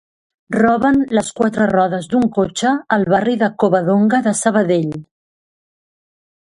Roben les quatre rodes d'un cotxe al barri de Covadonga de Sabadell